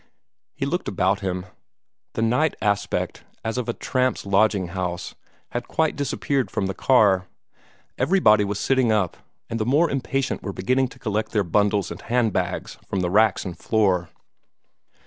He looked about him. The night aspect, as of a tramps' lodging house, had quite disappeared from the car. Everybody was sitting up; and the more impatient were beginning to collect their bundles and hand bags from the racks and floor.